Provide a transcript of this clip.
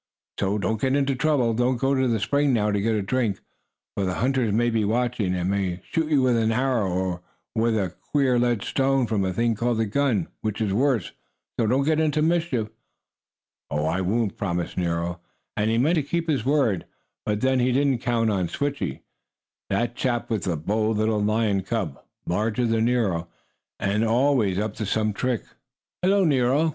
"So don't get into trouble. Don't go to the spring now to get a drink, for the hunters may be watching, and may shoot you with an arrow, or with a queer lead stone, from a thing called a gun, which is worse. So don't get into mischief." "I won't," promised Nero, and he meant to keep his word, but then he didn't count on Switchie. That chap was a bold little lion cub, larger than Nero, and always up to some trick. "Hello, Nero!"